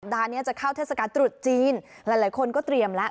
ดาร์เนี่ยจะเข้าเทศกาตุดจีนหลายหลายคนก็เตรียมแล้ว